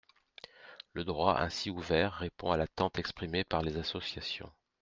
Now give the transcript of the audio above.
Le droit ainsi ouvert répond à l’attente exprimée par les associations.